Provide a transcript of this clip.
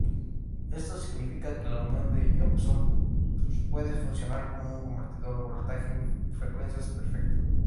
Esto significa que la unión de Josephson puede funcionar como un convertidor voltaje-frecuencias perfecto.